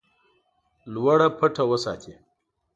لوړه پټه وساتي.